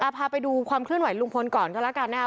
พาไปดูความเคลื่อนไหลุงพลก่อนก็แล้วกันนะครับ